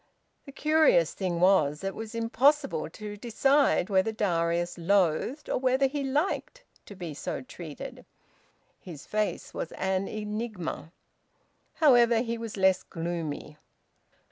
The curious thing was that it was impossible to decide whether Darius loathed, or whether he liked, to be so treated. His face was an enigma. However, he was less gloomy.